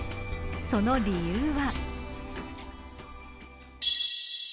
その理由は。